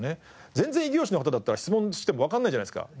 全然異業種の方だったら質問してもわかんないじゃないですか。